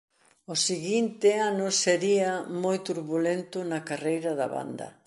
O seguinte ano sería moi turbulento na carreira da banda.